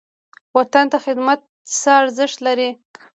وطن ته خدمت څه ارزښت لري؟